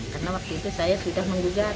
karena waktu itu saya sudah menggugat